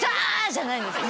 じゃないんですか